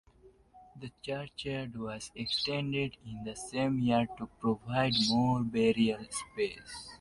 The churchyard was extended in the same year to provide more burial space.